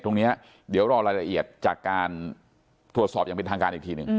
ตรงนี้เดี๋ยวรอรายละเอียดจากการตรวจสอบอย่างเป็นทางการอีกทีหนึ่ง